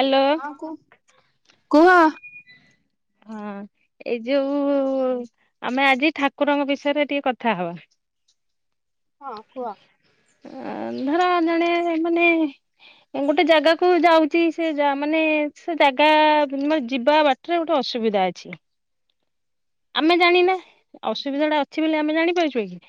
Hello. ହଁ କୁହ। ହଁ ଏଇ ଯୋଉ ଆମେ ଆଜି ଠାକୁରଙ୍କ ବିଷୟରେ ଟିକେ କଥା ହବା। ହଁ କୁହ। ଅ ଧର ଜଣେ ମାନେ ଗୋଟେ ଜାଗାକୁ ଯାଉଚି ସେ ଜା ମାନେ ସେ ଜାଗା ବୁନେ ଯିବା ବା ଟ୍ରେ ଗୋଟେ ଅସୁବିଧା ଅଛି। ଆମେ ଜାଣିନେ ଅସୁବିଧା ଟା ଅଛି ବୋଲି ଆମେ ଜାଣିପାରୁଛୁ କି?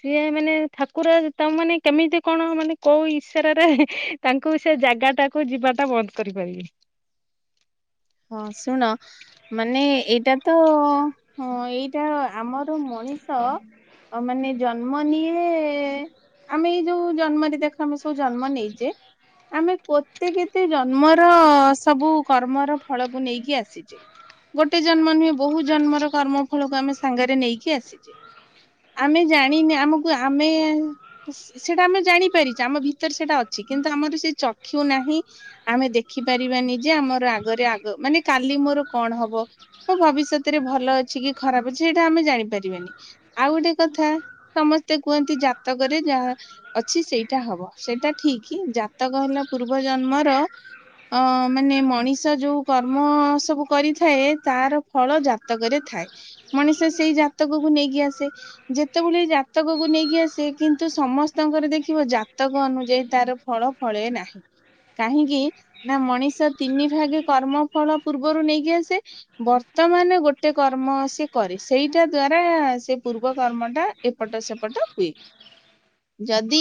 ସିଏ ମାନେ ଠାକୁର ତା ମାନେ କେମିତି କଣ ମାନେ କୋଉ ଈସାରାରେ ତାଙ୍କୁ ସେ ଜାଗା ଟାକୁ ଯିବା ଟା ବନ୍ଦ କରିପାରିବି। ହଁ ଶୁଣ। ମାନେ ଏଇଟା ତ ହଁ ଏଇଟା ଆମର ମଣିଷ। ଅ ମାନେ ଜନ୍ମ ନିଏ ଆମେ ଏଇ ଯୋଉ ଜନ୍ମରେ ଦେଖ ଆମେ ସବୁ ଜନ୍ମ ନେଇଚେ ଆମେ କୋତେ କେତେ ଜନ୍ମର ସବୁ କର୍ମର ଫଳକୁ ନେଇକି ଆସିଚେ। ଗୋଟେ ଜନ୍ମ ନୁହେଁ ବହୁ ଜନ୍ମର କର୍ମ ଫଳକୁ ଆମେ ସାଙ୍ଗରେ ନେଇକି ଆସିଚେ। ଆମେ ଜାଣିନେ ଆମକୁ ଆମେ ସେଇଟା ଆମେ ଜାଣିପାରିଚେ ଆମ ଭିତରେ ସେଟା ଅଛି। କିନ୍ତୁ ଆମର ସେ ଚକ୍ଷୁ ନାହିଁ। ଆମେ ଦେଖିପାରିବାନି ଯେ ଆମର ଆଗରେ ଆଗ ମାନେ କାଲି ମୋର କଣ ହବ? ଭବିଷ୍ୟତରେ ଭଲ ଅଛି କି ଖରାପ ଅଛି ସେଇଟା ଆମେ ଜାଣିପାରିବାନି। ଆଉ ଗୋଟେ କଥା ସମସ୍ତେ କୁହନ୍ତି ଜାତକରେ ଯାହା ଅଛି ସେଇଟା ହବ। ସେଇଟା ଠିକି ଜାତକ ହେଲା ପୂର୍ବ ଜନ୍ମର ଅଁ ମାନେ ମଣିଷ ଯୋଉ କର୍ମ ସବୁ କରିଥାଏ। ତାର ଫଳ ଜାତକରେ ଥାଏ। ମଣିଷ ସେଇ ଜାତକକୁ ନେଇକି ଆସେ। ଯେତେବେଳେ ଜାତକକୁ ନେଇକି ଆସେ କିନ୍ତୁ ସମସ୍ତଙ୍କର ଦେଖିବ ଜାତକ ଅନୁଯାୟୀ ତାର ଫଳ ଫଳେ ନାହିଁ। କାହିଁକି ନା ମଣିଷ ତିନି ଭାଗେ କର୍ମ ଫଳ ପୂର୍ବରୁ ନେଇକି ଆସେ। ବର୍ତ୍ତମାନ ଗୋଟେ କର୍ମ ସେ କରେ ସେଇଟା ଦ୍ଵାରା ସେ ପୂର୍ବ କର୍ମଟା ଏପଟ ସେପଟ ହୁଏ। [unintelligible] ଯଦି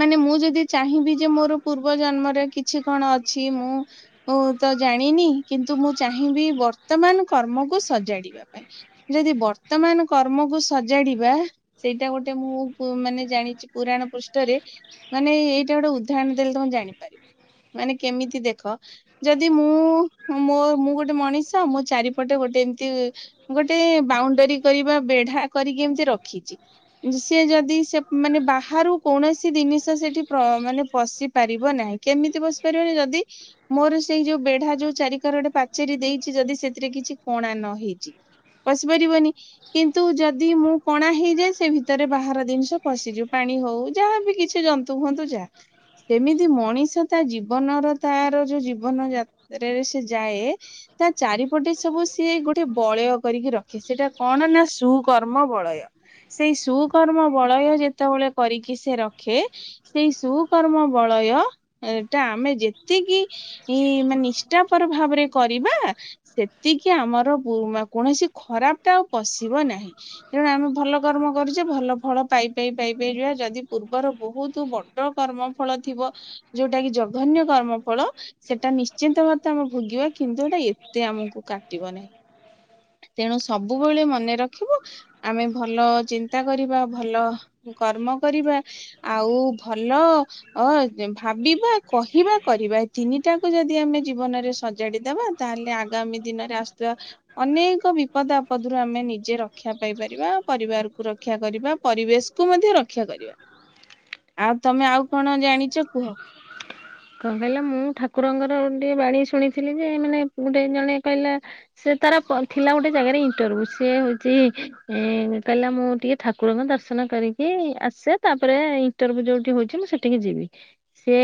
ମାନେ ମୁଁ ଯଦି ଚାହିଁବି ଯେ ମୋର ପୂର୍ବ ଜନ୍ମରେ କିଛି କଣ ଅଛି ମୁଁ ତ ଜାଣିନି କିନ୍ତୁ ମୁଁ ଚାହିଁବି ବର୍ତ୍ତମାନ କର୍ମକୁ ସଜାଡ଼ିବା ପାଇଁ। ଯେଦି ବର୍ତ୍ତମାନ କର୍ମକୁ ସଜାଡିବା ସେଇଟା ଗୋଟେ ମୁଁ ମାନେ ଜାଣିଛି ପୁରାଣ ପୃଷ୍ଠରେ ମାନେ ଏଇଟା ଗୋଟେ ଉଦାହରଣ ଦେଲେ ତମେ ଜାଣିପାରିବ ମାନେ କେମିତି ଦେଖ? ଯଦି ମୁଁ ମୋ ମୁଁ ଗୋଟେ ମଣିଷ ମୋ ଚାରିପଟେ ଗୋଟେ ଏମତି ଗୋଟେ ବାଉଣ୍ଡରୀ କରିବା ବେଢା କରିକି ଏମିତି ରଖିଚି। ସିଏ ଯଦି ସେ ମାନେ ବାହାରୁ କୌଣସି ଜିନିଷ ସେଠି ପ୍ର ମାନେ ପଶି ପାରିବ ନାହିଁ। କେମିତି ପସି ପାରିବନି ଯଦି ମୋର ସେଇ ଯୋଉ ବେଢା ଯୋଉ ଚାରି କରଡେ ପାଚେରୀ ଦେଇଛି ଯଦି ସେଥିରେ କିଛି କଣା ନ ହେଇଛି। ପଶି ପାରିବନି। କିନ୍ତୁ ଯଦି ମୁଁ କଣା ହେଇଯାଏ ସେ ଭିତରେ ବାହାର ଜିନିଷ ପଶିଯିଉ ପାଣି ହଉ ଯାହାବି କିଛି ଯନ୍ତ ନ୍ତୁ ହଅନ୍ତୁ ଯା ସେମିତି ମଣିଷ ତା ଜୀବନର ତାର ଯୋଉ ଜୀବ ଜୀବନ ଯାତ୍ରାରେ ସେ ଯାଏ। ତା ଚାରିପଟେ ସବୁ ସିଏ ଗୋଟେ ବଳୟ କରିକି ରଖେ ସେଇଟା କଣ ନା ସୁକର୍ମ ବଳୟ। ସେଇ ସୁକର୍ମ ବଳୟ ଯେତେବେଳେ କରିକି ସେ ରଖେ। ସେଇ ସୁକର୍ମ ବଳୟ ଏ ଟା ଆମେ ଯେତିକି କି ମାନେ ନିଷ୍ଠାପର ଭାବରେ କରିବା। ସେତିକି ଆମର ପୁ କୌଣସି ଖରାପ ଟା ଆଉ ପଶିବ ନାହିଁ। ତେଣୁ ଆମେ ଭଲ କର୍ମ କରୁଛେ ଭଲ ଫଳ ପାଇ ପାଇ ପାଇ ପାଇ ଯିବା ଯଦି ପୂର୍ବର ବହୁତ ବଡ କର୍ମ ଫଳ ଥିବ ଯୋଉଟା କି ଜଘନ୍ୟ କର୍ମ ଫଳ। ସେଟା ନିଶ୍ଚିନ୍ତ ମାତେ ଆମେ ଭୋଗିବା କିନ୍ତୁ ଏଟା ଏତେ ଆମକୁ କାଟିବ ନି। ତେଣୁ ସବୁବେଳେ ମନେ ରଖିବ ଆମେ ଭଲ ଚିନ୍ତା କରିବା ଭଲ। କର୍ମ କରିବା ଆଉ ଭଲ। ଅ ଭାବିବା କହିବା କରିବା ଏ ତିନିଟା ଯାକ ଯଦି ଆମେ ଜୀବନରେ ସଜାଡିଦବା। ତାହେଲେ ଆଗାମୀ ଦିନରେ ଆସୁଥିବା। ଅନେକ ବିପଦ ଆପଦ ରୁ ଆମେ ନିଜେ ରକ୍ଷା ପାଇପାରିବା ପରିବାରକୁ ରକ୍ଷା କରିବା ପରିବେଶ। କୁ ମଧ୍ୟ ରକ୍ଷା କରିବା ଆଉ ତମେ ଆଉ କଣ ଜାଣିଛ କୁହ। କଣ କହିଲ ମୁଁ ଠାକୁରଙ୍କର ଗୋଟିଏ ବାଣୀ ଶୁଣିଥିଲି ଯେ ମାନେ ଗୋଟେ ଜଣେ କଇଲା। ସେ ତାର କ ଥିଲା ଗୋଟେ ଜାଗାରେ ଇଣ୍ଟରଭ୍ୟୁ ସିଏ ହଉଛି ଏଁ କହିଲା ମୁଁ ଟିକେ। ଠାକୁରଙ୍କ ଦର୍ଶନ କରିକି ଆସେ ତାପରେ ଇଣ୍ଟରଭ୍ୟୁ ଯୋଉଠି ହଉଛି ମୁଁ ସେଠିକି ଯିବି। ସେ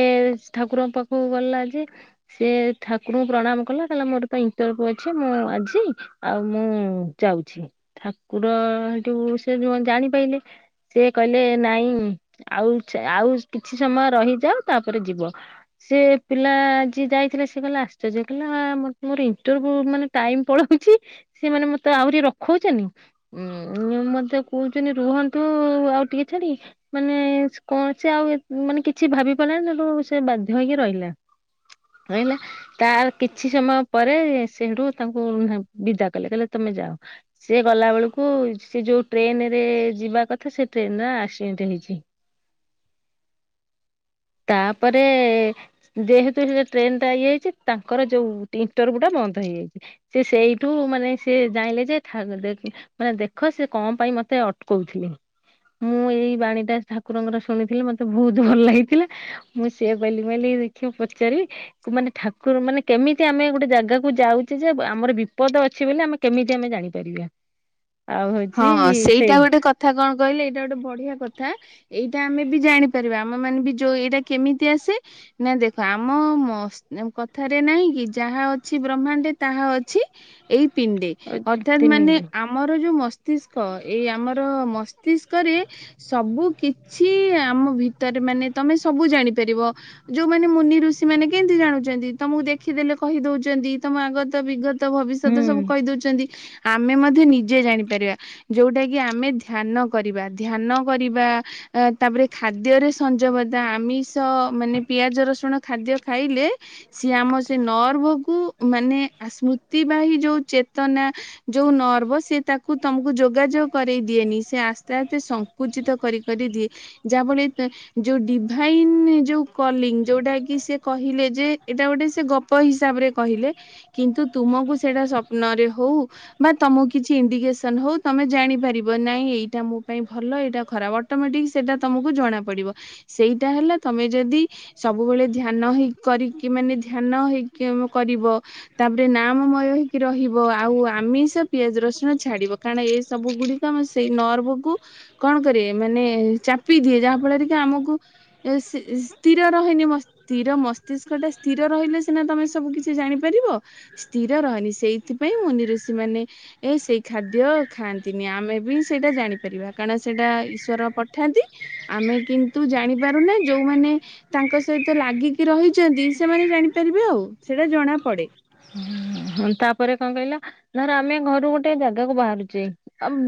ଠାକୁରଙ୍କ ପାଖକୁ ଗଲା ଯେ। ସେ ଠାକୁରଙ୍କୁ ପ୍ରଣାମ କଲା କହିଲା ମୋର ତ ଇନଟରର୍ଭୁ ଅଛି ମୁଁ ଆଜି। ଆଉ ମୁଁ ଯାଉଛି ଠାକୁର ସେଠୁ ସେ ଜାଣିପାଇଲେ। ସେ କହିଲେ ନାଇଁ ଆଉ ଚା ଆଉ କିଛି ସମୟ ରହିଯାଅ ତାପରେ ଯିବ। ସେ ପିଲା ଯିଏ ଯାଇଥିଲା ସେ କହିଲା ଆଶ୍ଚର୍ଯ୍ୟ କହିଲା ମୋର ଇନଟରର୍ଭୁ ମାନେ ଟାଇମ୍ ପଳଉଛି। ସେ ମାନେ ମତେ ଆହୁରି ରଖଉଚନି। ଉଁ ମତେ କହୁଛନ୍ତି ରୁହନ୍ତୁ ଆଉ ଟିକେ ଛାଡିକି। ମାନେ ସ୍କ ସେ ଆଉ ମାନେ କିଛି ଭାବି ପାରିଲା ନି ସେଠୁ ସେ ବାଧ୍ୟ ହେଇକି ରହିଲା। ରଇଲା। ତାର କିଛି ସମୟ ପରେ ସେ ସେଠୁ ତାଙ୍କୁ ବିଦା କଲେ କହିଲେ ତମେ ଯାଅ। ସିଏ ଗଲାବେଳକୁ ସେ ଯୋଉ ଟ୍ରେନରେ ଯିବା କଥା ସେ ଟ୍ରେନ ର ଆକ୍ସିଡେଣ୍ଟ ହେଇଛି। ତାପରେ। ଯେହେତୁ ସେ ଟ୍ରେନ ଟା ଇଏ ହେଇଚି ତାଙ୍କର ଯୋଉ ଇନଣ୍ଟରଭ୍ୟୁ ଟା ବନ୍ଦ ହେଇଯାଇଛି। ସେ ସେଇଠୁ ମାନେ ସେ ଯାଇଁଲେ ଯେ ଠା ଦେ ମାନେ ଦେଖ ସେ କଣ ପାଇଁ ମତେ ଅଟକୋଉଥିଲେ। ମୁଁ ଏଇ ବାଣୀ ଟା ଠାକୁରଙ୍କର ଶୁଣିଥିଲି ମତେ ବହୁତ ଭଲ ଲାଗିଥିଲା। ମୁଁ ସେଇଆ ପାଇଲି ଭାବିଲି ଦେଖିଆ ପଚାରିବି। କୁ ମାନେ ଠାକୁର ମାନେ କେମିତି ଆମେ ଗୋଟେ ଜାଗାକୁ ଯାଉଛେ ଯେ ଆମର ବିପଦ ଅଛି ବୋଲି ଆମେ କେମିତି ଆମେ ଜାଣିପାରିବା ଆଉ ହଉଛି ହଁ ସେ। ସେଇଟା ଗୋଟେ କଥା କଣ କହିଲେ ଏଇଟା ଗୋଟେ ବଢିଆ କଥା। ଏଇଟା ଆମେ ବି ଜାଣିପାରିବା ଆମ ମାନେ ବି ଯୋଉ ଏଇଟା କେମିତି ଆସେ। ନା ଦେଖ ଆମ ମ କଥା ରେ ନାଇଁ କି ଯାହା ଅଛି ବ୍ରହ୍ମାଣ୍ଡେ ତାହା ଅଛି। ଏଇ ପିଣ୍ଡେ ଅର୍ଥାତ୍ ତିନି ମାନେ ଦିନ ଆ ମର ଯୋଉ ମସ୍ତିଷ୍କ ଏଇ ଆମର ମସ୍ତିଷ୍କ ରେ। ସବୁ କିଛି ଆମ ଭିତରେ ମାନେ ତମେ ସବୁ ଜାଣିପାରିବ। ଯୋଉମାନେ ମୁନି ଋଷି ମାନେ କେମିତି ଜାଣୁଛନ୍ତି ତମକୁ ଦେଖିଦେଲେ କହି ଦଉଛନ୍ତି ତମ ଆଗତ ବିଗତ। ଭବିଷ୍ୟତ ସବୁ ହୁଁ। କହି ଦଉଛନ୍ତି ଆମେ ମଧ୍ୟ ନିଜେ ଜାଣିପାରିବା। ଯୋଉଟା କି ଆମେ ଧ୍ୟାନ କରିବା ଧ୍ୟାନ କରିବା। ଅ ତାପରେ ଖାଦ୍ୟରେ ସଂଯମଦା ଆମିଷ ମାନେ ପିଆଜ ରସୁଣ ଖାଦ୍ୟ ଖାଇଲେ ସିଏ ଆମ ସେ ନର୍ଭକୁ ମାନେ ଆସ୍ମୁ ତିବାହି ଯୋଉ ଚେତନା ଯୋଉ ନର୍ଭ ସେ ତାକୁ ତମକୁ ଯୋଗାଯୋଗ କରେଇ ଦିଏନି ସେ ଆସ୍ତେ ଆସ୍ତେ ସଙ୍କୁଚିତ କରି କରି ଦିଏ। ଯା [unintelligible] ତେ ଯୋଉ ଡିଭାଇନ ଯୋଉ କଲିଙ୍ଗ ଯୋଉଟା କି ସେ କହିଲେ ଯେ ଏଇଟା ଗୋଟେ ସେ ଗ ଙ୍କ ହିସାବରେ କହିଲେ କିନ୍ତୁ ତୁମକୁ ସେଇଟା ସପ୍ନରେ ହଉ ବା ତମକୁ କିଛି ଇଣ୍ଡିକେସନ ହଉ ତମେ ଜାଣିପାରିବ ନାଇଁ ଏଇଟା ମୋ ପାଇଁ ଭଲ ଏଇଟା ଖରାପ ଅଟୋମେଟିକ୍ ସେଇଟା ତମକୁ ଜଣା ପଡିବ ସେଇଟା ହେଲା ତମେ ଯଦି ସବୁବେଳେ ଧ୍ୟାନ ହେଇ କରିକି ମାନେ ଧ୍ୟାନ ହେଇକି କରିବ ତାପରେ ନାମମୟ ହେଇକି ରହିବ ଆଉ ଆମିଷ ପିଆଜ ରସୁଣ ଛାଡିବ କା ରଣ ଏ ସବୁ ଗୁଡିକ ଆମେ ସେଇ ନର୍ଭ କୁ କଣ କରିବେ ମାନେ ଚାପି ଦିଏ ଯାହା ଫଳରେ କି ଆମକୁ ଏ ସି ସ୍ଥିର ରହେନି ମ ସ୍ଥିର ମସ୍ତିଷ୍କ ଟା ସ୍ଥିର ରହିଲେ ସିନା ତମେ ସବୁ କିଛି ଜାଣିପାରିବ। ସ୍ଥିର ରହେନି ସେଇଥିପାଇଁ ମୁନିଋଷି ମାନେ ଏ ସେଇ ଖାଦ୍ୟ ଖାଆନ୍ତିନି ଆମେ ବି ସେଇଟା ଜାଣିପାରିବା କାରଣ ସେଇଟା ଈଶ୍ୱର ପଠାନ୍ତି। ଆମେ କିନ୍ତୁ ଜାଣିପାରୁନେ ଯୋଉମାନେ- ତାଙ୍କ ସହିତ ଲାଗିକି ରହିଛନ୍ତି। ସେମାନେ ଜାଣିପାରିବେ ଆଉ ସେଇଟା ଜଣା ପଡେ। ହଁ ହଁ ତାପରେ କଣ କହିଲ ଧର ଆମେ ଘରୁ ଗୋଟେ ଜାଗାକୁ ବାହାରୁଚେ, ଆମ୍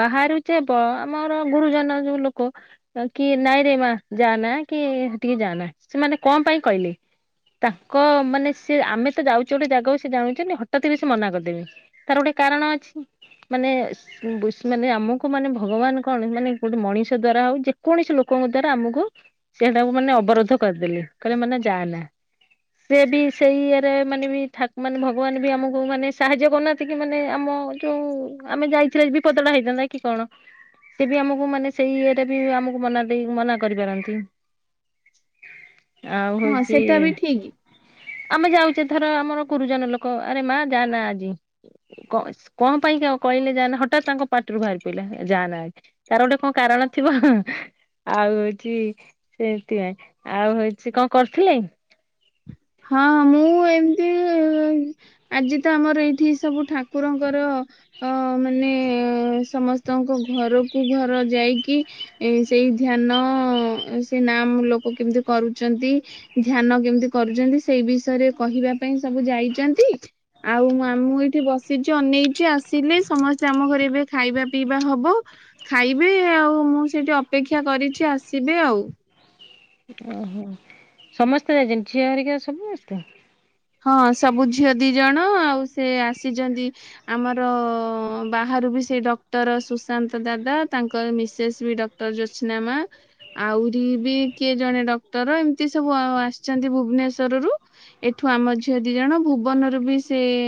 ବାହାରୁଚେବ ଆମର ଗୁରୁଜନ ଯୋଉ ଲୋକ- ବାକି ନାଇଁରେ ମା ଯାଆନା କି ସେଟିକି ଯାଆନା ସେମାନେ କଣ ପାଇଁ କହିଲେ? ତାଙ୍କ ମାନେ ସେ ଆମେ ତ ଯାଉଚୁ ଗୋଟେ ଜାଗାକୁ- ସେ ଜାଣଛନ୍ତି ନା ହଠାତ୍ ବି ସେ ମନା କରିଦେବେ ତାର ଗୋଟେ କାରଣ ଅଛି। ମାନେ- ବୁସ୍ ଆମକୁ ମାନେ ଭଗବାନ କଣ ମାନେ ଗୋଟେ ମଣିଷ ଦ୍ଵାରା ଆଉ ଯେକୌଣସି ଲୋକଙ୍କ ଦ୍ଵାରା ଆମକୁ- ସେଇଟାକୁ ମାନେ ଅବରୋଧ କରିଦେଲେ କହିଲେ ମାନେ ଯାଆ ନା। ସିଏ ବି ସେ ଇରେ ମାନେ ବି ଠାକ୍- ମାନେ ଭଗବାନ ବି ଆମକୁ ମାନେ ସାହାଯ୍ୟ କରୁନାହାନ୍ତି କି? ମାନେ ଆମ ଯୋଉ ଆମେ ଯାଇଥିଲେ ବିପଦଟା ହେଇଥାନ୍ତା। କି କଣ ସେ ବି ଆମକୁ ମାନେ ସେଇ ଇଏରେ ବି ଆମକୁ ମନା ଦେଇ ମନା କରିପାରନ୍ତି। ଆଉ ହଁ ହଉଚି ସେଟା ବି ଠିକ ଆମେ ଯାଉଚେ ଧର ଆମର- ଗୁରୁଜନ ଲୋକ ଆରେ ମା ଯଆ ନା ଆଜି। କ୍ କଣ ପାଇଁ କ କହିଲେ ଯାଆନା ହଠାତ୍ ତାଙ୍କ ପାଟିରୁ ବାହାରିପଇଲା ଯାଆନା ଆଜ୍- ତାର ଗୋଟେ କଣ କାରଣ ଥିବ। ଆଉ ହଉଚି ସେଥିପାଇଁ ଆଉ ହଉଚି କଣ କରୁଥିଲେ? ହଁ ମୁଁ ଏମିତି ଆଜି ତ ଆମର ଏଇଠି ସବୁ ଠାକୁରଙ୍କର- ଅ ମାନେ ସମସ୍ତଙ୍କ ଘରକୁ ଘର ଯାଇକି- ଏ ସେଇ ଧ୍ୟାନ ସେ ନାମ୍ ଲୋକ କେମିତି କରୁଛନ୍ତି? ଧ୍ୟାନ କେମିତି କରୁଛନ୍ତି, ସେଇ ବିଷୟ ରେ କହିବା ପାଇଁ ସବୁ ଯାଇଛନ୍ତି। ଆଉ ଆ ମୁଁ ଏଇଠି ବସିଚି ଅନେଇଚି ଆସିଲେ ସମସ୍ତେ ଆମ ଘରେ ଏବେ ଖାଇବା ପିଇବା ହବ। ଖାଇବି ଆଉ ମୁଁ ସେଇଠି ଅପେକ୍ଷା କରିଚି ଆସିବେ ଆଉ- ଓହୋ ସମସ୍ତେ ଯାଇଛନ୍ତି ଝିଅହେରିକା ସମସ୍ତେ- ହଁ ସବୁ ଝିଅ ଦିଜଣ ଆଉ ସେ ଆସିଛନ୍ତି। ଆମର ବାହାରୁ ବି ସେ ଡକ୍ଟର ସୁଶାନ୍ତ ଦାଦା ତାଙ୍କର ମିସେସ୍ ବି ଡକ୍- ଟର୍ ଯୋସ୍ନା ମା। ଆଉରି ବି କିଏ ଜଣେ ଡକ୍ଟର ଏମିତି ସବୁ ଅ ଆସିଛନ୍ତି ଭୁବନେଶ୍ଵରରୁୁ। ଏଠୁ ଆମ ଝିଅ ଦି ଜଣ ଭୁବନରୁ ବି ସିଏ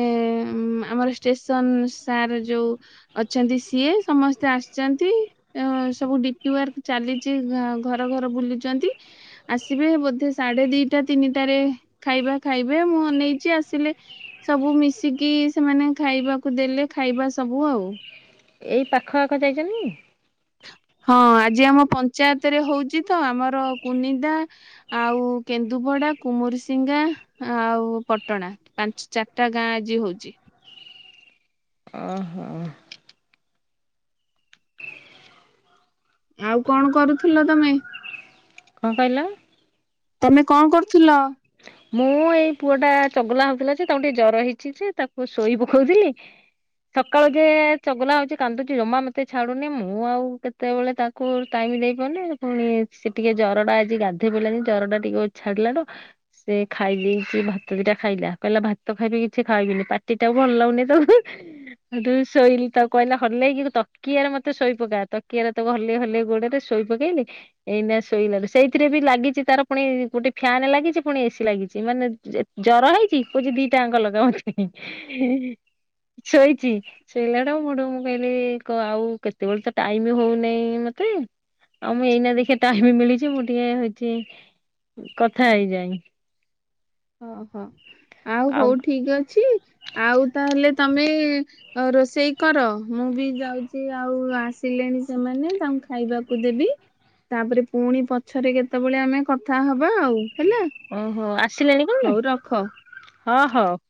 ଏ ମ୍ ଆମର ଷ୍ଟେସନ ସାର୍ ଯୋଉ- ଅଛନ୍ତି ସିଏ ସମସ୍ତେ ଆସିଛନ୍ତି। ଅଁ ସବୁ ଡିପି ୱାର୍କ ଚାଲିଚି ଘ ଘର ଘର ବୁଲୁଛନ୍ତି। ଆସିବେ ବୋଧେ ସାଢ଼େ ଦିଟା ତିନିଟାରେ ଖାଇବା ଖାଇବେ ମୁଁ ଅନେଇଚି ଆସିଲେ ସବୁ ମିଶିକି ସେମାନେ ଖାଇବାକୁ ଦେଲେ ଖାଇବା ସବୁ ଆଉ। ଏଇ ପାଖ ଆଖ ଯାଇଛନ୍ତି? ହଁ ଆଜି ଆମ ପଞ୍ଚାୟତରେ ହଉଛି ତ ଆମର କୁନିଦା- ଆଉ କେନ୍ଦୁପଡା, କୁମୁରିସିଙ୍ଗା ଆଉ ପଟଣା। ପାଞ୍ଚ୍ ଚାରଟା ଗାଁ ଆଜି ହଉଚି। ଓ ହୋ। ଆଉ କଣ କରୁଥିଲ ତମେ? କଣ କହିଲ? ତମେ କଣ କରୁଥିଲ? ମୁଁ ଏଇ ପୁଅ ଟା ଚଗଲା ହଉଥିଲା ଯେ ତାକୁ ଟିକେ ଜର ହେଇଛି ଯେ ତାକୁ ଶୋଇ ପକଉଥିଲି। ସକାଳୁ ଘେର ଚଗଲା ହଉଛି କାନ୍ଦୁଚି ଜମା ମତେ ଛାଡୁନି ମୁଁ ଆଉ କେ ସେତେବେଳେ ତାକୁ ଟାଇମ୍ ଦେଇ ପାରୁିନି, ପୁଣି ସେ ଟିକେ ଜରଟା ଆଜି ଗାଧେଇ ପଇଲା ଯେ ଜରଟା ଟିକେ ଉ ଛାଡ଼ିଲା ଟୁ ସେ ଖାଇ ଦେଇଚି ଭାତ ଦିଟା ଖାଇଲା କହିଲା ଭାତ ଖାଇବି କିଛି ଖାଇବିନି ପାଟିଟା ଭଲ ଲାଗୁନି ତ। ସେଇଟୁ ଶୋଇଲି ତା କହିଲା ହଲେଇକି ତକିଆରେ ମତେ ଶୋଇପକା ତକିଆରେ ତାକୁ ହଲେଇ ହଲେଇ ଗୋଡରେ- ଶୋଇ ପକେଇଲି ଏଇନା ଶୋଇଲା ସେଇଥିରେ ବି ଲାଗିଚି ତାର ପୁଣି ଗୋଟେ ଫ୍ୟାନ୍ ଲାଗିଚି ପୁଣି ଏସି ଲାଗିଛି ମାନେ ଜ୍ ଜର ହେଇଛି, କହୁଛି ଦିଟା ଆଙ୍କ ଲଗାଅ ମତେ ହିଁ ହିଁ। ଶୋଇଛି। ଶୋଇଲାଟା ମୁଠୁଁ ମୁଁ କହିଲି କ ଆଉ କେତେବେଳେ ତ ଟାଇମ ହଉ ନାହିଁ ମତେ। ଆଉ ମୁଁ ଏଇନା ଦେଖି ଟାଇମ ମିଳିଛି ମୁଁ ଟିକେ ହେଇଛି କଥା ହେଇଯାଏ। ଓହୋ ଆଉ ହଉ ଠିକ ଅଛି ଆଉ ତାହେଲେ ତମେ ଆ ରୋଷେଇ କର ମୁଁ ବି ଯାଉଛି ଆଉ ଆସିଲେଣି ସେମାନେ ତାଙ୍କୁ ଖାଇବାକୁ ଦେବି। ତାପରେ ପୁଣି ପଛରେ କେତେବେଳେ ଆମେ କଥା ହବା ଆଉ, ହେଲା। ଓହୋ ଆସିଲେଣି କଣ? ହଉ ରଖ। ହଁ ହଉ।